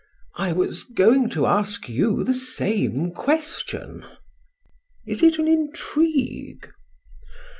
"I was going to ask you the same question." "Is it an intrigue?"